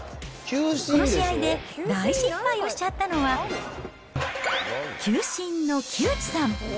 この試合で大失敗をしちゃったのは、球審の木内さん。